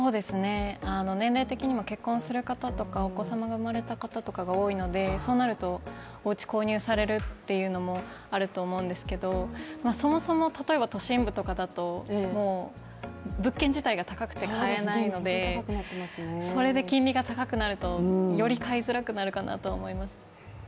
年齢的にも結婚する方とかお子さまが生まれた方が多いのでそうなると、おうち購入されるというのもあると思うんですけれども、そもそも、都心部とかだと物件自体が高くて買えないのでそれで金利が高くなると、より買いづらくなるかなと思います。